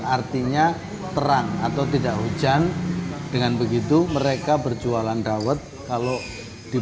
artinya terang atau tidak hujan dengan begitu mereka berjualan dawet kalau dibuka